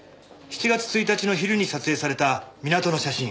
７月１日の昼に撮影された港の写真。